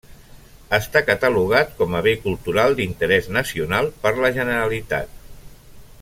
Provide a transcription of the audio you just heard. Està catalogat com a Bé Cultural d'Interès Nacional per la Generalitat.